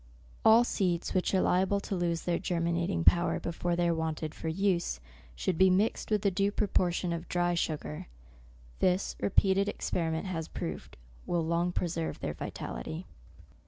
All seeds which are liable to lose their germinating power before they are wanted for use, should be mixed with a due propor tion of dry sugar. This, repeated experi ment has proved, will long preserve their vitality.